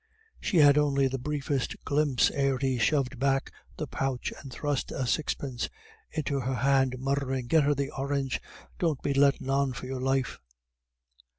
She had only the briefest glimpse ere he shoved back the pouch and thrust a sixpence into her hand, muttering, "Git her the orange don't be lettin' on for your life."